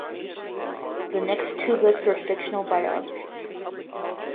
The next two books were fictional biographies.